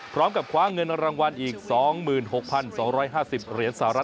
พร้อมกับคว้าเงินรางวัลอีก๒๖๒๕๐เหรียญสหรัฐ